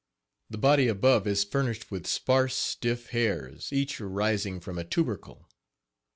The body above is furnished with sparse, stiff hairs, each arising from a tubercle.